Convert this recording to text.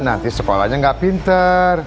nanti sekolahnya gak pinter